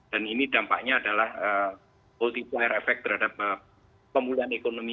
dan ini dampaknya adalah multi filer effect terhadap pemulihan ekonomi